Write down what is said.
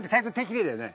きれいだよね？